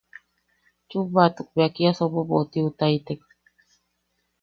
Chubatuk beja kia sobobotiutaitek.